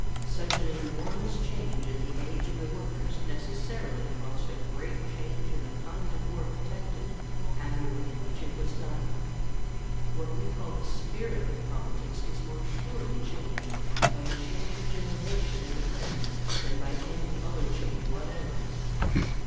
Such an enormous change in the age of the workers necessarily caused a great change in the kind of work attempted and the way in which it was done. What we call the "spirit" of politics is more surely changed by a change of generation in the men than by any other change whatever.